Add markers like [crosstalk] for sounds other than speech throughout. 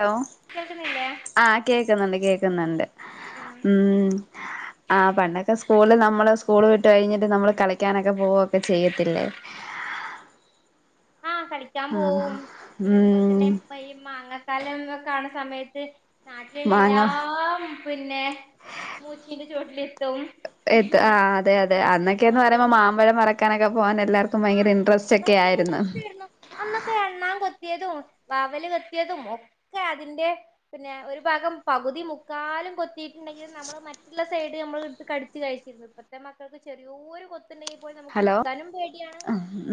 Law കേക്കുന്നില്ലേ? ആഹ്, കേൾക്കുന്നുണ്ട്, കേൾക്കുന്നുണ്ട്, ആഹ് ഉം, ആഹ്, പണ്ടൊക്കെ സ് കൂൾല്, നമ്മള് സ്കൂള് വിട്ട് കഴിഞ്ഞിട്ട്, നമ്മള് കളിക്കാനൊക്കെ പോവൊക്കെ ചെയ്യെത്തില്ലേ? ആഹ്‌, കളിക്കാൻ ആഹ് പോവും. പിന്നെ, ഉം അതുപോൽതന്നെ. പ്പ ഈ മാങ്ങക്കാലം, ഒക്കെ ആവണ സമയത്ത് നാട്ടിലുള്ള മാങ്ങ എല്ലാം. പിന്നെ, മൂച്ചിന്റെ ചോട്ടിലെത്തും. എത്ത്, പിന്നെ ആഹ്‌, അതെ, അതെ, ആഹ് അന്നൊക്കെ ന്ന് ആഹ് പറയുമ്പോ, പിന്നെ മാമ്പഴം പറിക്കാനൊക്കെ, പോവാനെല്ലാർക്കും. പ്പ ആഹ് ഭയങ്കര ഇൻട്രസ്റ്റെക്കെ ഭയങ്കര ആയിരുന്നു. ഇൻട്രസ്റ്റ് ആയിരുന്നു അന്നൊക്കെ അണ്ണാൻ കൊത്തിയതും, വാവല് കൊത്തി യതും, ഒക്കെ അതിൻ്റെ. പിന്നെ, ഒരു ഭാഗം പകുതി മുക്കാലും കൊത്തീട്ടു ണ്ടെങ്കിലും. നമ്മള് മറ്റുള്ള സൈഡ്, നമ്മളെടുത്ത് കടിച്ച് കഴിച്ചിരുന്നു. ഇപ്പത്തെ മക്കൾക്ക് ചെറിയേര് കൊത്തുണ്ടെങ്കിൽ പോലും നമ്മക്ക് ഹലോ എടുക്കാനും പേടി.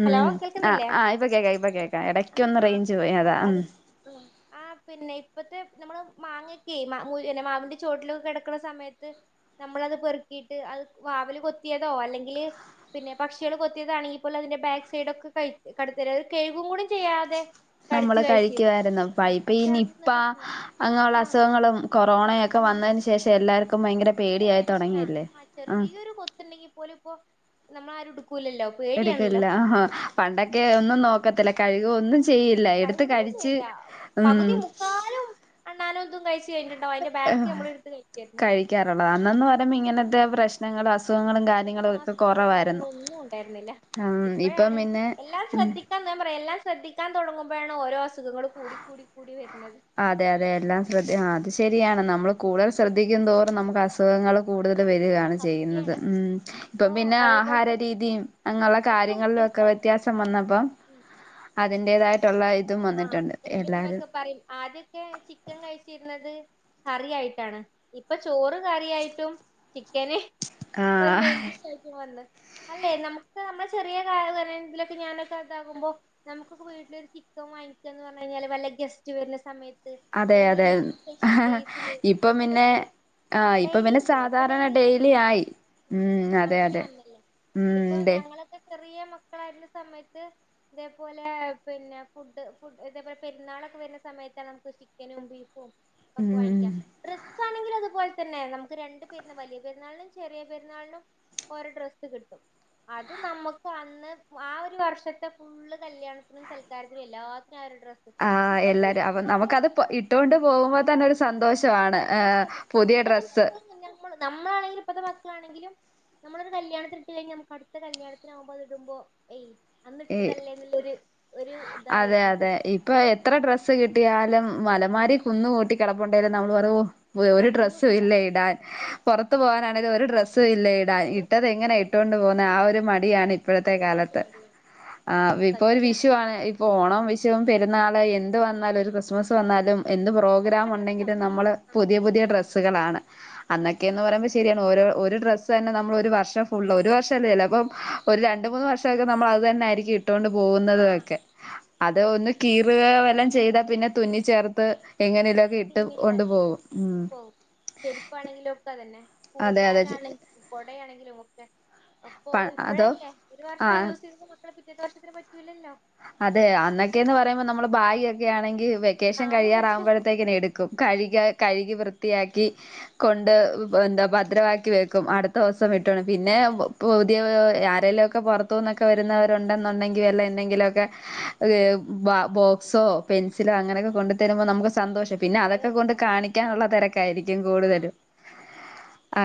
ഉം, അഹ്‌, ആഹ് ഇപ്പൊ കേക്കാ, ഇപ്പൊ കേക്കാ, എടക്കെന്ന് റൈഞ്ച് പോയി, അതാ, ഉം. അഹ്. അഹ്‌, പിന്നെ, ഇപ്പത്തെ നമ്മള് മാങ്ങക്കെ, മു, എല്ല, മാവിന്റെ ചേട്ടിലൊക്കെ കെടക്ക്ണ സമയത്ത്. നമ്മള ത് പെറുക്കീട്ട് അത് വാവല് കൊത്തിയതോ, അല്ലെങ്കില് പിന്നെ, പക്ഷിയേൾ കൊത്തിയതാണെങ്കി ഫുള്ളതിന്റെ ബാക്ക് സൈഡോ ക്കെ കഴിക്കും കാട്ടി തരും അത് കഴുകും കൂടെ ചെയ്യാതെ. നമ്മള് കടിച്ചു കഴിച്ചിരുന്നു കഴിക്കുവായിരുന്ന പ്പ, ആ ഇപ്പ, ഈ, പക്ഷെ അന്ന് നിപ്പാ. പ്രശ്ന അങ്ങനുള്ള ആഹ് അസുഖങ്ങളും കൊറോണയൊക്കെ വന്ന് വന്നതിന്ന് ശേ ശേഷം എല്ലാർക്കും ഭയങ്കര പേടിയായി തുടങ്ങിയില്ലേ, ആഹ്. ത്ണ്ടെങ്കി പോലുപ്പോ, നമ്മളാരും എ ടുക്കൂല ല്ലോ? പേടിയാണ ല്ലോ? എടുക്കില്ല ആഹാ പണ്ടൊക്കെ ഒന്നും നോക്കത്തില്ല. കഴികേ ഒന്നും ചെയ്യി കഴുകും കൂടി ചെയ്യില്ല. പകുതി മുക്കാലും, അണ്ണാനും തും കഴിച്ച് കഴിഞ്ഞി്ട്ട് എഹ് കഴിക്കാറുള്ളത് അന്നെന്ന് പറയുമ്പോ ഇങ്ങനത്തെ പ്രശ്നങ്ങൾ അസുഖങ്ങള് പ്രശ്നങ്ങളേ, അസുഖങ്ങളും. കാര്യങ്ങളും ഒന്നുണ്ടായിരുന്നില്ല. ഉം ഇപ്പം ഇപ്പഴാണ് പിന്നെ എല്ലാം ഉം ശ്രദ്ധി ട്ടന്ന് ഞാപറയും എല്ലാം ശ്രദ്ധിക്കാൻ തുടങ്ങുമ്പെഴാണ് ഓരോ അസുഖങ്ങളും കൂടി കൂടി കൂടി വരുന്നത്. അതെ അതെ എല്ലാം ശ്രധ്ദ് അത് ശരിയാണ് നമ്മൾ കൂടുതൽ ശ്രദ്ധിക്കും തോറും നമ്മക്ക് അസുഖങ്ങള് കൂടുതൽ വരികാണ് പ്പ ചെയ്യുന്നത്. സത്യാണ് ഉം, പ്പ, ഇപ്പൊ പിന്നെ, അതേപോലെ ആഹാര തന്നെ രീതിയും അങ്ങ്ള്ള ഒക്കെ കാര്യങ്ങളിലെക്കെ വ്യത്യാസായില്ലേ വ്യത്യാസം. സം, വന്നപ്പം. ഉം അതിന്റേതായിട്ടുള്ള ഇതും വന്നിട്ടുണ്ട്, എല്ലാരും. പൽ, ആദ്യം. ക്കെ ചിക്കെൻ കഴിച്ചിരുന്നത്. കറിയയിട്ടാണ്, ഇപ്പ ചോറ് കറായിട്ടും ചിക്കന് ഹ്.. ഒരു ആഹ് മൈൻ്റ് ഷെരിക്കും വന്ന്. അല്ലെ നമുക്ക് നമ്മൾ ചെറിയ കാ ഇതിലൊക്കെ ഞാനൊക്കെ ഇതാകുമ്പൊ നമുക്ക് വീട്ടിലിക്ക് ക്കം വാങ്ങിക്കാന്ന് പറഞ്ഞെയ് ഞ്ഞാല് വല്ല ഗസ്റ്റ് വരുന്ന സമയത്ത്. അതെ, അല്ലെങ്കിൽ അതെ, എന്തെങ്കിലും സ്പെഷ്യൽ ഡേയ്സില് ഇപ്പൊ പിന്നെ. ഇതൊക്കെയള്ള ആഹ്, ഇപ്പൊ ഡെയിലി പിന്നെ ഇല്ലേ ഇപ്പൊ സാധാരണ ഡെയിലി ഡെയ്ലി ചിക്കൻ ഇല്ലേ ആയി. ഉം, അതെ, അങ്ങനെ അതെ വന്നല്ലോ ഉം, ഇപ്പൊ ണ്ട് ഞങ്ങളൊക്കെ ചെറിയ മക്കളായിരുന്ന സമയത്ത് ഇതേപോലെ പിന്നെ ഫുഡ് ഫു ഇതേപോലെ പെരുന്നാളൊക്കെ വരുന്ന സമയത്താണ് നമുക്ക് ചിക്കനും, ബീഫും, ഒക്കെ വാങ്ങിക്കാ ഉം ഡ്രസ്സാണെങ്കിലും അതുപോൽതന്നെ നമുക്ക് രണ്ട് പെരുന്ന വലിയ പെരുന്നാളിനും, ചെറിയ പെരുന്നാളിനും. ഓരോ ഡ്രസ്സ് കിട്ടും. അത് നമുക്ക് അന്ന് ആ ഒരു വർഷത്തെ ഫുള്ള് കല്യാണത്തിനും സൽ ക്കാരത്തിനും എല്ലാത്തിനും ആ ഒരു ഡ്രസ് ആഹ് എല്ലാരും അപ്പ നമുക്കത് ഇട്ടുകൊണ്ട് പോകുമ്പോ തന്നെ ഒരു സന്തോഷമാണ് ഏഹ് പുതിയ ഡ്രസ്സ് മ്മ നമ്മളാണെലും ഇപ്പത്തെ മാക്കളാണെങ്കിലും നമ്മളൊരു കല്യാണത്തിന് ഇട്ടു കഴിഞ്ഞാ നമുക്കടുത്ത കല്യാണത്തിന് ആവുമ്പോ അത് ഇടുമ്പോ ഏയ് ഈ അന്നിട്ടതല്ലേന്ന്ള്ള ഒരു ഒരു ഇതാ അതെ വരുന്നത് അതെ ഇ ഇപ്പൊ എത്ര ഡ്രസ്സ് കിട്ടിയാലും മലമാരി കുന്ന് കൂട്ടി കിടപ്പുണ്ടലും നമ്മള് പറയും ഓഹ് ഒരു ഡ്രസ്സും ഒന്നുല്ല ഇല്ല ഇടാൻ ഇല്ല പുറത്ത് പോവാനാണെലും ഒരു ഡ്രസ് സും ഇല്ല ഇടാൻ ഒരു ഡ്രസ്സും ഇട്ടത് ഇല്ല എങ്ങനെ ഇട്ടുകൊണ്ട് പോവുന്നെ ആ ഒരു മടിയാണ് ഇപ്പോഴത്തെ ആ ഒരു കാലത്ത് മടിയാണ് ആഹ് ഇപ്പൊ ഒരു സത്യാണ് വിഷുവാണ് ഓണം വിഷുവും പെരുന്നാള് എന്ത് വന്നാലും ഒരു ക്രിസ്മസ് വന്നാലും എന്ത് പ്രോഗ്രാം ഒക്കെ ഡ്രസ്സാ ഉണ്ടെങ്കിൽ നമ്മള് ആ പുതിയ പുതിയ ഡ്രസ്സുകളാണ് അന്നൊക്കെയന്ന് പറയുമ്പോ ശരിയാണ് ഓരോ ഒരു ഡ്രസ്സ് തന്നെ നമ്മൾ ഒരു വർഷം ഫുള് ഒരു വർഷം അല്ല ചെലേപ്പം ഒരു രണ്ട് മൂന്ന് വർഷൊക്കെ നമ്മൾ അത് തന്നെ ആയിരിക്കും ഇട്ടുകൊണ്ട് പോകുന്നുന്നത് ആ ഒക്കെ അത് ഒന്ന് കീറുക വല്ലാം ചെയ്താ പിന്നെ തുന്നി ചേർത്ത് എങ്ങനെലും ഇട്ട് കൊണ്ട് പോകും ഉം ചെരിപ്പാണെങ്കിലും ഒക്കെ അതന്നെ സ്കൂൾ അതെ അതെ ബാഗ് ആണെങ്കിലും കുടയാണെങ്കിലും ഒക്കെ അപ്പൊ പ അതോ ഇപ്പഴല്ലേ ഒരു വർഷം ആഹ് യൂസ് ചെയ്ത മക്കളെ പിറ്റേത്തെ വർഷത്തിന് പറ്റൂല്ലല്ലോ അതെ അന്നൊക്കെയന്ന് പറയുമ്പോൾ നമ്മൾ ഭാഗ് ഒക്കെ ആണെങ്കി വെക്കേഷൻ നാല് വർഷം കഴിയാറാാവുമ്പോഴത്തേക്കിനും എടുക്കും ക്കും കഴുക കഴുകി വൃത്തിയാക്കി കൊണ്ട് എന്താ ഭദ്രവാക്കി വെക്കും അടുത്ത ദിവസം ഇട്ടോണ് പിന്നെ പുതിയ ആരെലുമൊക്കെ പുറത്തു നിന്നൊക്കെ വരുന്നവരുണ്ടെന്നുണ്ടെങ്കിൽ വല്ലാം എന്തെങ്കിലുമൊക്കെ ഏഹ് ബോക്സോ പെൻസിലോ അങ്ങനെയൊക്കെ കൊണ്ടു തരുമ്പോൾ നമുക്ക് സന്തോഷം പിന്നെ ഓ അതൊക്കെ കൊണ്ട് കാണിക്കാനുള്ള സത്യാണ് തിരക്കായിരിക്കും ആഹ് കൂടുതലും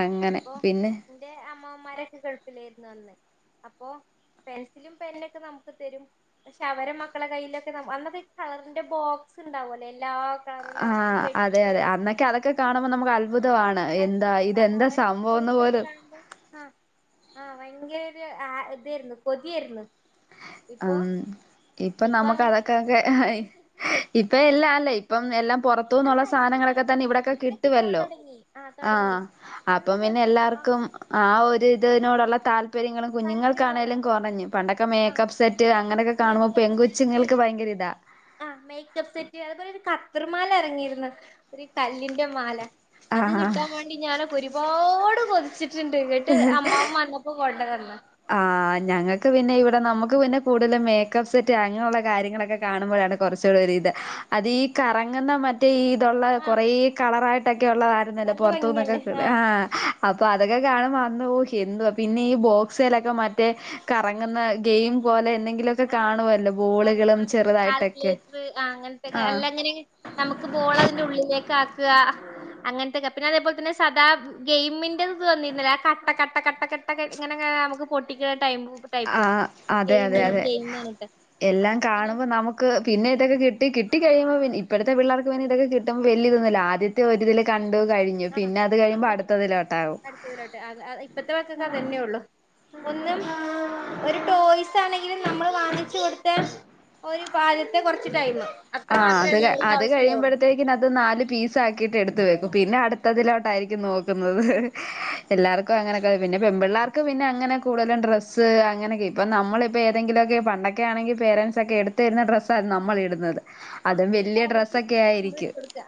അങ്ങനെ പിന്നെ ഇന്റെ അമ്മോമാരൊക്കെ ഗൾഫിൽ ആയിരുന്നു അന്ന് അപ്പോ പെൻസിലും പെന്നൊക്കെ നമുക്ക് തരും പക്ഷെ അവരെ മക്കളെ കയ്യിലൊക്കെ അന്നൊക്കെ ഈ കളറിന്റെ ബോക്സ് ഉണ്ടാവോലോ എല്ലാ കളറുള്ള ആഹ് അതെ പെട്ടി അതെ പോലെ അന്നൊക്കെ അതൊക്കെ അങ്ങനത്തെ കാണുമ്പോൾ നമുക്ക് ആഹ് അത്ഭുതവാണ് എന്താ അത്ഭുതം ഇതെന്താ [inaudible] സംഭവംന്ന് പോലും ആഹ് ആഹ് ഭയങ്കര ഒരു ഇതായിരുന്നു കൊതിയായിരുന്നു ഇപ്പൊ ഉം ഇപ്പ ഇപ്പൊ അങ്ങനത്തെ നമുക്കതക്കൊക്കെ പ്രശ്നങ്ങളില്ല ഇപ്പ എല്ലാ അല്ലേ ഇപ്പം എല്ലാം അല്ല പുറത്തുന്നുള്ള ഇപ്പൊ സാധനങ്ങളൊക്കെ തന്നെ പൊതുവെ ഇവിടെക്കെ ഇവിടെ കിട്ടാൻ കിട്ടുവല്ലോ തുടങ്ങി ആഹ് തുടങ്ങി അന്ന് ഇതേ അപ്പപ്പിന്നെ ആഹ് എല്ലാവർക്കും ആ ഒരിതിനോടുള്ള താല്പര്യങ്ങളും താല്പര്യം കുറഞ്ഞ കുഞ്ഞുങ്ങൾക്കാണേലും കുറഞ്ഞു പണ്ടൊക്കെ മേ ആഹ് കപ്പ് സെറ്റ് അങ്ങനെയൊക്കെ കാണുമ്പോ പെൺ കൊച്ചുങ്ങൾക്ക് ഭയങ്കര ഇതാ ആഹ് മേക്കപ്പ് സെറ്റ് അതുപോലെ ഒരു കത്തർമാല ഇറങ്ങിയിരുന്നു ഒരു കല്ലിന്റെ മാല അത് കിട്ടാൻ ആഹ് വേണ്ടി ഞാനൊക്കെ ഒരുപാട് കൊതിച്ചിട്ടുണ്ട് ഇന്നിട്ട് അമ്മാവൻ വന്നപ്പം കൊണ്ടതന്നു ആഹ് ആഹ് ഞങ്ങക്ക് പിന്നെ ഇവിടെ നമുക്ക് പിന്നെ കൂടുതലും മേക്കപ്പ് സെറ്റ് അങ്ങനെയുള്ള കാര്യങ്ങളൊക്കെ കാണുമ്പോഴാണ് കുറച്ചൂടി ഇത് അതീ കറങ്ങുന്ന മറ്റേ ഈ ഇതുള്ള ആ കുറേ കളറായിട്ടൊക്കെ ഉള്ളത തൊന്നല്ല നല്ല പൊർതുന്നൊക്കെ ഭംഗിയല്ലേ ആ ആഹ് അപ്പൊ അതൊക്കെ കാണുമ്പ അന്നൂ ഹെന്തുവാ പിന്നെ ഈ ബോ ക്സലൊക്കെ മറ്റേ കറങ്ങുന്ന ഗെയിം പോലെ എന്തെങ്കിലൊ ആഹ് അതുപോലെ കാൽക്കുലേറ്റർ അങ്ങനത്തെൊക്കെ ആഹ് എല്ലാം അങ്ങനെ നമുക്ക് ബോൾ അതിന്റെ ഉള്ളിലേക്ക് ആക്ക അങ്ങൻത്തൊക്കെ പിന്നെ അതേപോലെ തന്നെ സദാ ഗെയിമിന്റെ തോന്നില്ല ആ കട്ട കട്ട കട്ട കട്ട ട്ടക്കെ ഇങ്ങനെങ്ങനെ നമുക്ക് പൊട്ടിക്ണ ടൈമ് ടൈപ്പ് ആഹ് അതെ ഗെയിമ് അതെ അതെ എല്ലാം കാണുമ്പോ നമുക്ക് പിന്നെ ഇതൊക്കെ കിട്ടി കിട്ടി കഴിയുമ്പോ ഇപ്പഴത്തെ പിള്ളർക്ക് പിന്നെ ഇതൊക്കെ കിട്ട്പ വല്യതൊന്നുല്ല ആദ്യത്തെ ഒരുരിതില് കണ്ടു കയി യു പിന്ന അത് കഴുമ്പോ അടുത്തതിലോട്ടകും. ഇതിലൊട്ട് അങ് അഹ് ഇപ്പത്തെ മക്കക്ക് അതെന്നെ ഉള്ളു. ഒന്നും ഒരു ടോയ്സ് ആണെങ്കിലും നമ്മൾ വാങ്ങിച്ചു കൊടുത്ത ഒരു പാചത്തെ കുറച്ചിട്ടയിമ് അത്ര മാത്രല്ലേ അവർക്ക് ആവശ്യണ്ടാവുള്ളൂ. പിന്നത് നാല് പീസ് ആക്കിട്ട് എടുത്ത് വെക്കും പിന്നെ അടു ത്തതിലോട്ടായിരിക്കും നോക്കുന്നത് ഉം എല്ലാവർക്കും അങ്ങനെക്ക പിന്നെ പെൺ പിള്ളേർക്ക് പിന്നെ അങ്ങനെ കൂടുതലും ഡ്ര സ്സ് അങ്ങനൊക്കെ ഇപ്പ നമ്മളിപ്പോൾ ഏതെങ്കിലൊക്കെ പണ്ട്ക്കെ ആണെങ്കിൽ പേരൻറ്സൊക്കെ എടുത്തരുന്ന ഡ്രസ്സാണ് നമ്മളിടുന്നത്. ആഹ് അതും ഇപ്പൊ വല്ല്യ അവർക്ക് ഡ്രസ്സൊക്കെ നമ്മള് ആയിരിക്കും. എടുത്ത് കൊടുക്കുക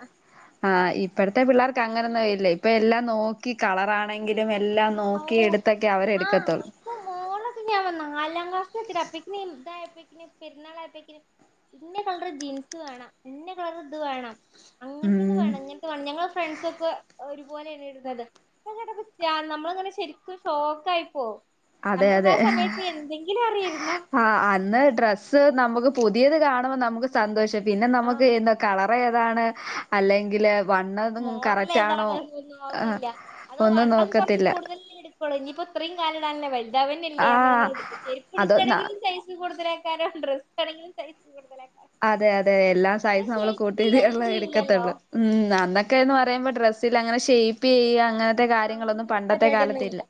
ആഹ് ഇപ്പത്തെ പിള്ളേർക്ക് അങ്ങനെൊന്നും വരില്ല ഇപ്പ എല്ലാം നോക്കി കളർ ആണെങ്കിലും എല്ലാം.. നോക്കി എടുത്തൊക്കെ അവരെ എടുക്കത്തുള്ളൂ. ഇപ്പ മോളൊക്കെ ഞാൻ വന്ന നാലാം ക്ലാസ്ലെത്തി പക്കി [unintelligible] പരുന്നാളയപ്പക്കിന്, ഇന്ന കളർ ജീൻസ് വേണം ഇന്ന കളർ ഇത് വേണം അങ്ങൻത്തത ത് ഉം വേണം ഇങ്ങൻത്തെ വേണം ഞങ്ങളെ ഫ്രണ്ട്സക്കെ ഒരുപോലെയാണ് ഇടുന്നത് നമ്മൾ അങ്ങനെ ശരിക്കും ഷോക്ക ആയിപ്പോ അതെ നമുക്ക് ആ സമയത്ത് എന്തെങ്കിലും അറിയാര്ന്നോ? ആ അന്ന് ഡ്രസ്സ് നമുക്ക് പുതിയത് കാണുമ്പോ നമുക്ക് സന്തോഷം പിന്നെ നമുക്ക് ആഹ് എന്തൊ കളർ ഏതാണ് അല്ലെങ്കില് വണ്ണതും മോഡൽ കറക്റ്റ് ആണോ ഏതാണ് ഒന്നും ആഹ് അതൊന്നുല്ല അത ഒന്നും വണ്ണം കുറച്ച് നോക്കത്തില്ല കൂടുതൽ എടു കൊള്ളോ ഞ്ഞിപ്പോ ഇത്രേം കാലിടാനില്ല വൽതാവന്നെല്ലേ ആഹ് അർഞട്ക്കും ചെരുപ് അതൊന്ന എടുക്കാണെങ്കിലും സൈസ് കൂടുതല കാനും ഡ്രസ് ആണെങ്കിലും സൈ കൂടുതലാക്കരം. അതെ അതെ എല്ലാ സൈസും നമ്മള് ക്കൂട്ടിത് ചെയ്യൊന്നും ഉള്ള ചെയ്യൂലല്ലോ എടുക്കത്തുള്ളൂ. ഉം അന്നൊക്കെന്ന് പറയുമ്പോ ഡ്രസ്സിൽ അങ്ങനെ ഷെയ്പ് ചെയ്യ അങ്ങനെ ത്തെ കാര്യങ്ങളൊന്നും അങ്ങനത്തെ പണ്ടത്തെ പരിപാടിയൊന്നും കാലത്തില്ല. ഇല്ല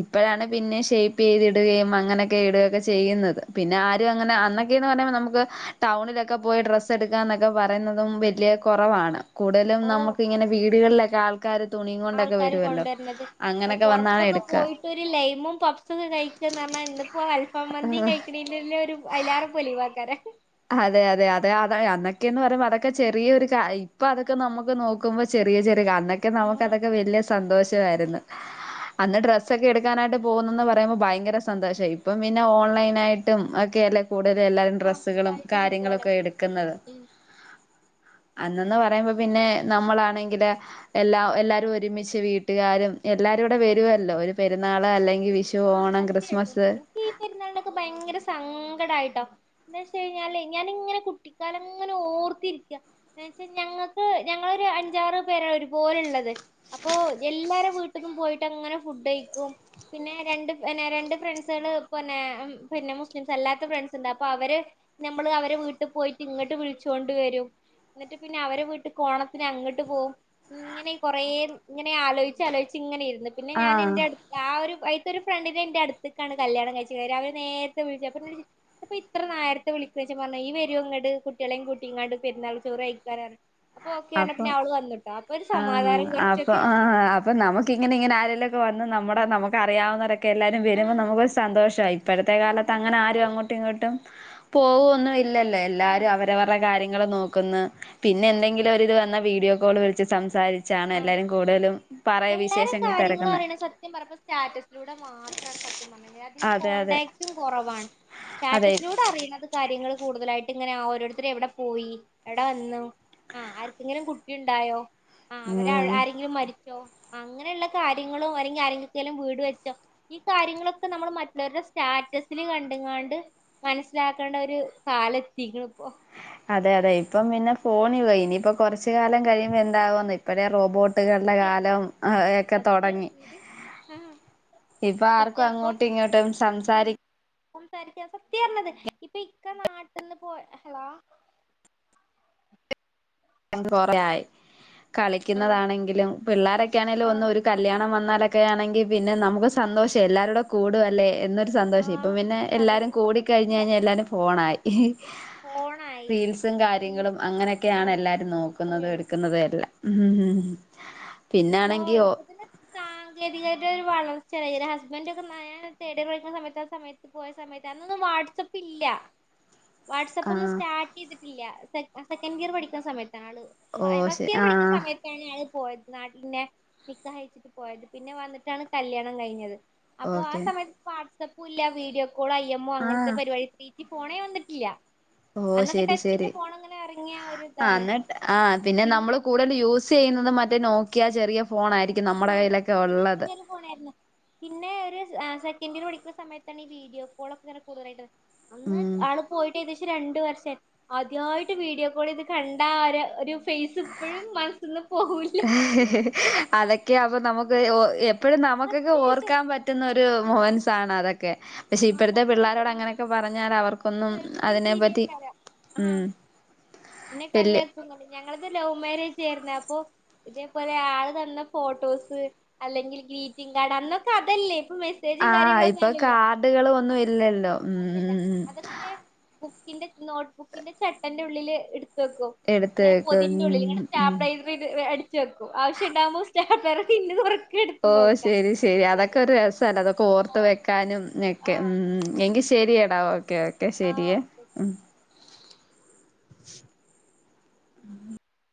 ഇപ്പോഴാണ് പിന്നെ ഷേപ്പ്യ്തി ഇടുകയും അങ്ങനെയൊക്കെ ഇടുകയൊക്കെ ചെയ്യുന്നത്, പിന്നെ ആരും അങ്ങനെ അന്നൊക്കെന്ന് പറയുമ്പോ നമുക്ക് ടൗണിലൊക്കെ പോയി ഡ്രസ്സ എടുക്കാ എന്നൊക്കെ പറയുന്നതും വല്യ കുറവാണ്.. കൂടുതലും ഓഹ് നമുക്ക് ഇങ്ങനെ വീടുകളിലൊക്കെ ആൾക്കാര് തുണിയും കൊണ്ടൊക്കെ ആൾക്കാര് വരുവല്ലോ കൊണ്ടര്ണത്. ഒഹ് അങ്ങനൊക്കെ വന്നാണ് പൊർത്തൊക്കെ എടുക്ക പോയിട്ട് ഒരു ലൈമും പബ്സൊക്കെ കഴിക്കന്ന് പറഞ്ഞാ ഇന്നിപ്പോ അൽഫാം മന്തിയും കഴിക് തിലൊല്ലോരു അയ്ലാറ പൊലിവാക്കര അതെ അതെ അതെ അത അന്നൊക്കെന്ന് പറയുമ്പോ അതൊക്കെ ചെറിയ ഒരു കാ ഇപ്പൊ അതൊക്കെ നമുക്ക് നോക്കുമ്പോ.. ചെറിയ ചെറിയ ക അന്നൊക്കെ നമുക്ക ആഹ് അതൊക്ക വല്ല്യ.. സന്തോഷവായിരുന്നു അന്ന് ഡ്രസ്സൊക്കെ എടുക്കാനായിട്ട് പോകുന്നന്ന് പറയുമ്പോ ഭയങ്കരസ് സന്തോഷം ഇപ്പം പിന്നെ ഓൺലൈനായിട്ടും ഒക്കെ അല്ലേ കൂടുതല് എല്ലാരരും ആഹ് ഡ്രസ് കളും സുഖായിട്ട് കിട്ടുവല്ലോ കാര്യങ്ങളൊക്കെ എടുക്കുന്നത്, ഉം അന്നന്ന് പറയുമ്പോ പിന്നെ നമ്മളാണെങ്കില് എല്ലാ എല്ലാരും ഒരുമിച്ച് വീട്ട്കാരും എല്ലാരൂടെ വരുവല്ലോ ഒരു പെരുന്നാള അല്ലെങ്കി വിഷ് ഷു ആഹ് ഓണം സത്യായിട്ടും ക്രിസ്മസ്, എനിക്ക് ഈ പെര്ന്നാൾനൊക്ക ഭയങ്കര സങ്കടായിട്ടോ, എന്താഷ് കഴിഞ്ഞാലേ ഞാനിങ്ങനെ കുട്ടിക്കാലം ങ്ങനെ ഓർത്തിരിക്ക എന്ന് വെച്ചാ ഞങ്ങക്ക് ഞങ്ങളൊരു അഞ്ചാറ് പേരാണ് ഒരുപോല ഇള്ളത്. അപ്പൊ എല്ലാര വീട്ട് ക്കും പോയിട്ട് അങ്ങനെ ഫുഡ് കഴിക്കും പിന്നെ രണ്ട് പിന്നെ രണ്ട് ഫ്രണ്ട്സള് പിന്നെ പിന്നെ മുസ്ലിംസ് അല്ലാത്ത ഫ്രണ്ട്സ് ഇണ്ട് അപ്പൊ അവര് നമ്മള് അവരെ വീട്ട് പോയിട്ട് ഇങ്ങട്ട് വിൾചോണ്ട് വരും, ന്നട്ട് പിന്നെ അവരെ വീട്ട്ക്ക് ഓണത്തിന് അങ്ങട്ട് പോവും ഇങ്ങനെ കൊറേ ഇങ്ങനെ ആലോഴിച്ച് ആലോഴിച്ച് ഇങ്ങനെ ഇര്ന്ന് പിന്നെ ഞാന ആഹ് എന്റെ അട് ആ ഒരു പൈ ഒരു ഫ്രണ്ടിനെ ഇന്റെ അട്ത്ത്ക്കാണ് കല്യാണം കഴിച്ക്ണത് അവര് നേര്ത്തെ വിൾച്ചപ്പ ഇന്നോട് [unintelligible] അപ്പ ഇത്ര നേര്ത്തെ വിളിക്കയ്ച്ചപ്പ പർഞ് ഇയ്യ്‌ വരൊ ഇങ്ങട് കുട്ടിയളേം കൂട്ടിങാണ്ട് പെര്ന്നാൾ ചോറ് കയിക്കാനാണ് അപ്പൊ ഓക്കെ പർഞ് പിന്നെ അപ്പം അവള് വന്ന് ട്ടോ അപ്പൊ ഒരു സമാധാനം കൊർച്ചൊക്കെ അപ്പം നമുക്കിങ്ങനെ ഇങ്ങനെ ആരെലൊക്കെ വന്ന് നമ്മുടെ നമുക്കറിയാവുന്നരൊ ക്കെ എല്ലാരും വരുമ്പം ആഹ് നമുക്ക് ഒരു സന്തോഷായി ഇപ്പഴത്തെ ആഹ് കാലത്ത് അങ്ങനെ ആരും സന്തോഷായി അങ്ങോ ട്ടും ഇങ്ങോട്ടും പോകൊന്ന് ഇല്ലല്ലോ ആഹ് എല്ലാരും അവരവർടെ കാര്യങ്ങള് നോക്കുന്ന് പിന്നെ എന്തെങ്കിലും ഒര് ഇത് വന്നാ വീഡിയോ കോള് വിൾച്ച് സംസാരിച്ചാണ് എല്ലാരും കൂടുതലും പറയ എല്ലാരിം വിശേഷങ്ങൾ കാര്യങ്ങളു തിരക്കുന്നെ അറിയണ് സത്യം പറപ്പോ സ്റ്റാറ്റസിലൂടെ മാത്രാണ് സത്യം അധികം അതെ അതെ കോണ്ടാടാക്റ്റും കോറവാണ് അതെ സ്റ്റാറ്റസ് ലൂടെ അറിണത് കാര്യങ്ങള് കൂടുതലായിട്ട് ഇങ്ങനെ ആ ഓരോര്ത്തര് എവടെ പോയി എവടെ വന്നു ആ ആര്ക്കെങ്കിലും കുട്ടി ഇണ്ടായോ ആ അവരെ ഉം ആരെങ്കിലും മരിച്ചോ അങ്ങനെള്ള കാര്യങ്ങളോ അല്ലെങ്കി ആരെങ്കൊക്കെല്ലും വീട് വെച്ചോ ഈ കാര്യങ്ങളൊക്ക നമ്മള് മറ്റുള്ളവര്ടെ സ്റ്റാറ്റസ് ല് കണ്ട്ങ്ങാണ്ട് മൻസ്സിലാക്കേണ്ട ഒരു കാലം എത്തിക്ക്ണ് ഇപ്പൊ അതെ അതെ ഇപ്പം പിന്നെ ഫോണ് വഴി ഇനിയിപ്പോ കൊർച് കാലം കഴിയുമ്പോ എന്താവോന്ന് ഇപ്പഴേ റോബോട്ട്കൾടെ സത്യാണ് കാലം ഒക്ക സത്യം തൊടങ്ങി പറഞ്ഞത് ആ ഇപ്പൊ ആർക്കും അങ്ങോട്ടും ഇങ്ങോട്ടും സംസാരി സംസാരിക്ക സത്യാ പർഞ്ഞത് ഇപ്പൊ ഇക്ക നാട്ട്ന്ന് പോ ഹളോ [unintelligible] ആഹ് കളിക്കുന്നതാണെങ്കിലും പിള്ളാരെക്കെണെല് ഒന്നു ആഹ് ഒരു കല്യാണം വന്നാലൊക്ക ആണെങ്കി പിന്നെ നമുക്ക് സന്തോഷം എല്ലാരുടെ കൂടുവല്ലെ എന്നൊരു സന്തോഷം ഇപ്പം ആഹ് പിന്നെ എല്ലാരും സന്തോഷം ഇപ്പൊ കൂടി കഴിഞ് അതൊന്നുല്ല കഴിഞ്ഞാ എല്ലാരും ഫോണായി ഫോണായി റീൽസും പിന്നെ കാര്യങ്ങളും അങ്ങനെക്കെണ് ആഹ് എല്ലാരും അത്രേ നോക്കുന്നത് ഉള്ളൂ എട്ക്ക് ന്നതെയല്ല ഇപ്പൊ ഇര്പത് ന് സാങ്കേതികാഴിട്ട് ഒരു വളർച്ച എന്റെ ഹസ്ബൻഡ് ഒക്ക [unintelligible] തേടി [unintelligible] സമയത്ത് ആ സമയ പോയ സമയത്ത് അന്നോന്നും വാട്സ അപ്പ് ഇല്ല വാട്സ് അപ്പന്നും ആഹ് സ്റ്റാർട്ട് ചെയ്തിട്ടില്ല സെ സെക്കൻഡ് ഇയർ പഠിക്കുന്ന സമയത്താണ് ആള് ഫ ഓ എ ശ ഫസ്റ്റ് ഇയറ് പഠിക്കുന്ന ആഹ് സമയ ആള് പോയത് നാട്ടിൽ ഇന്നെ നിക്കാഹ് കഴിച്ചിട്ട് പോയത് പിന്നെ വന്ന്ട്ടാണ് കല്യാണം കഴിഞ്ഞത് അപ്പൊ ആ ഓക്കെ സമയത്ത് വാട്സ് അപ്പു ഇല്ല video call I M O അങ്ങൻത്തെ ആഹ് പരിവാടി തീ പോണേ വന്നിട്ടില്ല ഓ ശരി ശരി ടച്ചിന്റെ ഫോൺ അങ്ങനെ ഇറങ്ങിയ ഒരു ആ ഇതാണ് ന്നട്ട് ആ പിന്നെ നമ്മള് കൂട് യൂസ് ചെയ്യുന്നത് മറ്റേ നോക്കിയ ചെറിയ ഫോണ ആയിരിക്കും നമ്മുടെ കയ്യിലൊക്കെ ഒള്ളത് ഫോണായിരുന്ന് പിന്നെ ഒരു സെക്കൻഡ് ഇയറ് പടിക്കുന്ന സമയത്താണ് ഈ വീഡിയോ കോളോക്ക ഇങ്ങനെ കൂടുതലായത് അന്ന് ഉം ആള് പോയിട്ട് ഏകദേശം രണ്ട വർഷം ആദ്യായിട്ട് വീഡിയോ കോൾ ഇത് കണ്ട ആര ഒരു ഫേസ് ഇപ്പോഴും മനസ്സിൽന്നും പോകൂല്ല അതൊക്കെ അപ്പൊ നമുക്ക് ഓ എപ്പോഴും നമുക്കൊക്കെ സത്യായിട്ടും ഓർക്കാൻ പറ്റുന്ന ഓ ത് ആഹ് മൊമെന്സാണ് അതൊക്കെ പക്ഷെ ആഹ് ഇപ്പോഴത്തെ പിള്ളാരരോട് സത്യായിട്ടും അങ്ങനൊക്കെ പറഞ്ഞാൽ അവർക്ക് ഒന്നും ഇവർക്കൊക്കെ ഒരു അതിനെ പറ്റി ഉമ് പിന്നെ കളിയാക്കും ഞങ്ങളത് ലൗമാരി ചേർന്ന അപ്പൊ ഇതേപോലെ ആള് തന്ന ഫോട്ടോസ് അല്ലെങ്കിൽ ഗ്രീറ്റിംഗ കാർഡ് അന്നൊക്കെ അതല്ലേ ഇപ്പൊ സേജും ആ കാര്യങ്ങളൊക്കെ ഇപ്പൊ അല്ലല്ലോ കാർഡുകൾ ഒന്നും ഇല്ലല്ലോ ആ ഉം അല്ലല്ല ഉം ഉം അതൊക്കെ ബുക്കിന്റെ നോട്ട്ബുക്കിന്റെ ചട്ടന്റെ ഉള്ളില് എടു തെക്കും എടുത്ത് ഇങ്ങനെ വെക്കും പൊതിന്റെ ഉള്ളില് ന്നട്ട് ഉം ഉം സ്റ്റാപ്ലർ എയ്ത് വെ അടച്ച് വെക്കും ആശ്യ ഉണ്ടാവകുമോ സ്റ്റാപ്ലർ പിന്ന് തൊർക്കും ഓ ശരി ശരി അതൊക്കെ ഒരു രസല്ല അതൊക്കെ ഓർത്ത് വെക്കാനും ഒക്കെ ആഹ് ഉമ് എങ്കി ശേ ശരിയടാ ഓക്കെ ഓക്കെ ആഹ് ശരിയേ ഓക്കെ ഓക്കെ ഉമ് ഉമ്